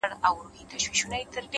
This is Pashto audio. • کلي ودان کورونه,